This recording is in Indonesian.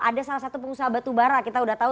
ada salah satu pengusaha batu bara kita udah tau